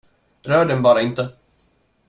Rör den bara inte!